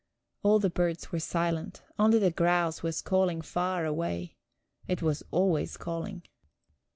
All the birds were silent; only the grouse was calling far away it was always calling.